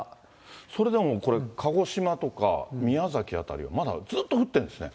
それでもこれ、鹿児島とか宮崎辺りは、まだずっと降ってるんですね。